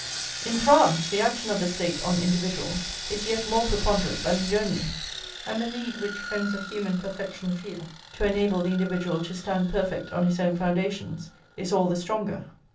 In France the action of the State on individuals is yet more preponderant than in Germany; and the need which friends of human perfection feel to enable the individual to stand perfect on his own foundations is all the stronger.